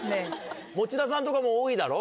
餅田さんとかも多いだろ？